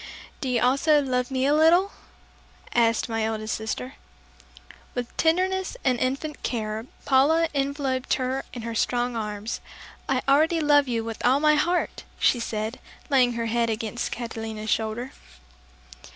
"Do you also love me a little?" asked my eldest sister. With tenderness and infinite care Paula enveloped her in her strong arms. "I already love you with all my heart!" she said, laying her head against Catalina's shoulder.